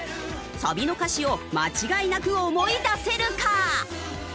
サビの歌詞を間違いなく思い出せるか？